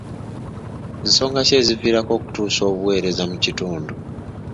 Nsonga ki ezivirako okutuusa obweereza mu kitundu?